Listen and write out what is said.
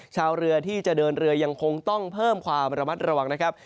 ชาวเรือที่จะเดินเรือยังคงต้องเพิ่มความระมัดระวังนะครับ